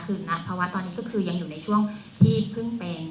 คือนัดเพราะว่าตอนนี้ก็คือยังอยู่ในช่วงที่เพิ่งเป็น